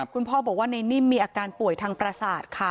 คุณพ่อบอกว่าในนิ่มมีอาการป่วยทางประสาทค่ะ